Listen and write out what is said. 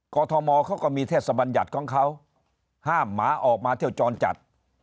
อทมเขาก็มีเทศบัญญัติของเขาห้ามหมาออกมาเที่ยวจรจัด